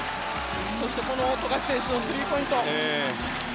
そして富樫選手のスリーポイント。